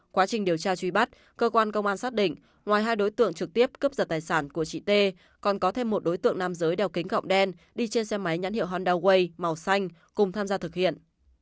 quá trình điều tra truy bắt cơ quan công an xác định ngoài hai đối tượng trực tiếp cướp giật tài sản của chị t còn có thêm một đối tượng nam giới đeo kính gọng đen đi trên xe máy nhãn hiệu honda way màu xanh cùng tham gia thực hiện